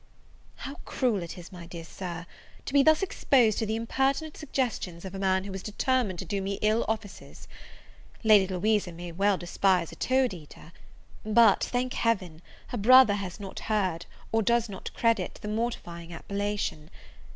How cruel is it, my dear Sir, to be thus exposed to the impertinent suggestions of a man who is determined to do me ill offices! Lady Louisa may well despise a toad eater; but, thank Heaven, her brother has not heard, or does not credit, the mortifying appellation.